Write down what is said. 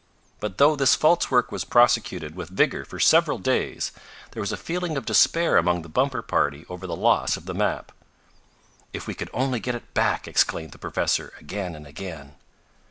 But though this false work was prosecuted with vigor for several days, there was a feeling of despair among the Bumper party over the loss of the map. "If we could only get it back!" exclaimed the professor, again and again.